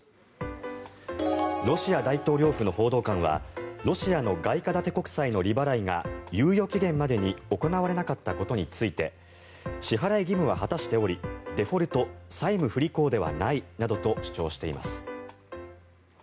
ロシア大統領府の報道官はロシアの外貨建て国債の利払いが猶予期限までに行われなかったことについて支払い義務は果たしておりデフォルト債務不履行ではないと主張しています。